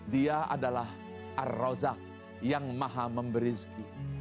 dia adalah arrozak yang maha memberizki